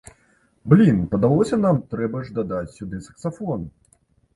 Блін, падалося нам, трэба ж дадаць сюды саксафон!